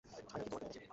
ছায়া কি তোমাকে দেখেছে?